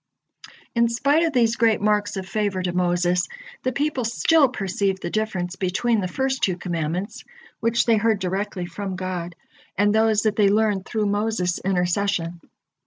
In spite of these great marks of favor to Moses, the people still perceived the difference between the first two commandments, which they heard directly from God, and those that they learned through Moses' intercession.